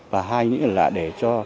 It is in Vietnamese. và hai những là để cho